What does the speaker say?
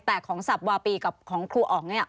แต่ของสับวาปีกับของครูอ๋องเนี่ย